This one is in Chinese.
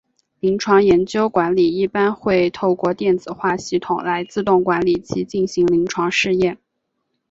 临床研究管理一般会透过电子化系统来自动管理及进行临床试验。